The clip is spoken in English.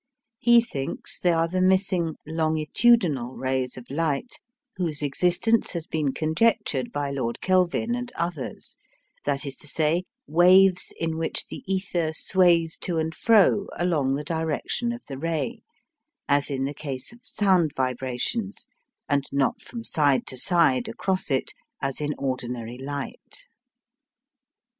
He thinks they are the missing "longitudinal" rays of light whose existence has been conjectured by Lord Kelvin and others that is to say, waves in which the ether sways to and fro along the direction of the ray, as in the case of sound vibrations, and not from side to side across it as in ordinary light.